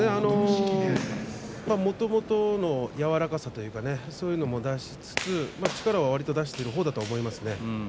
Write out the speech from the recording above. もともとの柔らかさというかそういうのも出しつつ力はわりと出しているほうだと思います。